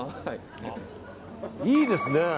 いいですね。